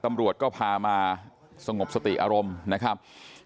ตำรวจก็พามาสงบสติอารมณ์นะครับ